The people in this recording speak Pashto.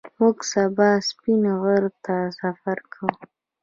موږ سبا سپین غره ته سفر کوو